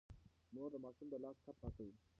مور د ماشوم د لاس ټپ پاکوي.